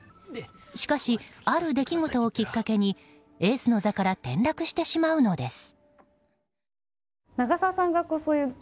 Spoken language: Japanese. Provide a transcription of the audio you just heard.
しかし、ある出来事をきっかけにエースの座から転落してしまうのです。